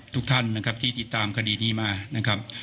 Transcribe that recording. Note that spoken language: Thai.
ทุกท่านนะครับที่ติดตามคดีนี้มานะครับ